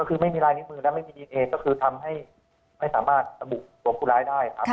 ก็คือไม่มีลายนิ้วมือและไม่มีดีเอก็คือทำให้ไม่สามารถระบุตัวผู้ร้ายได้ครับ